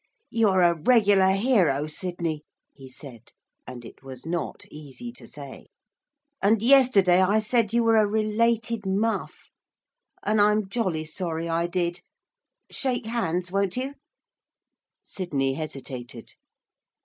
'You're a regular hero, Sidney,' he said and it was not easy to say 'and yesterday I said you were a related muff. And I'm jolly sorry I did. Shake hands, won't you?' Sidney hesitated.